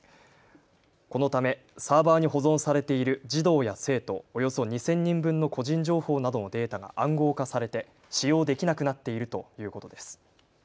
このためサーバーに保存されている児童や生徒およそ２０００人分の個人情報などのデータが暗号化されて使用できなくなっているということです。